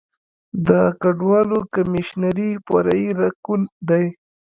د کډوالو کمیشنري فرعي رکن دی.